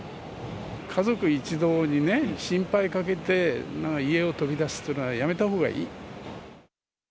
家族一同にね、心配かけて、家を飛び出すっていうのはやめたほうがいい。